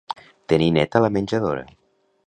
Tenir neta la menjadora.